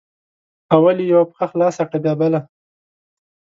اول یې یوه پښه خلاصه کړه بیا بله